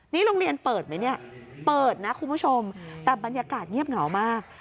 นี่โรงเรียนเปิดไหมเนี่ยเปิดนะคุณผู้ชมแต่บรรยากาศเงียบเหงามาก